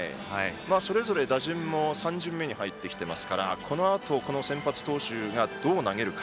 それぞれ打順も３巡目に入ってきていますからこのあと、先発投手がどう投げるか。